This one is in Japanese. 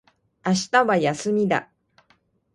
明日は休みだ